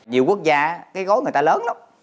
nhiều quốc gia cái gói người ta lớn lắm